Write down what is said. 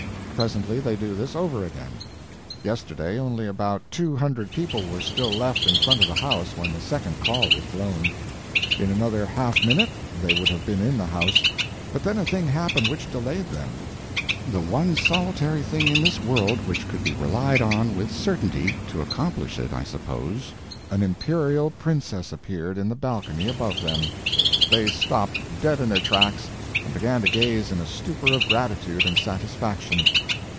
Presently they do this over again. Yesterday only about two hundred people were still left in front of the house when the second call was blown; in another half minute they would have been in the house, but then a thing happened which delayed them—the only solitary thing in this world which could be relied on with certainty to accomplish this, I suppose—an imperial princess appeared in the balcony above them. They stopped dead in their tracks and began to gaze in a stupor of gratitude and satisfaction.